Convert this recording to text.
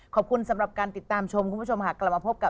ขอบคุณมากค่ะ